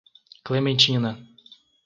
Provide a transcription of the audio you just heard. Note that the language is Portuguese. Clementina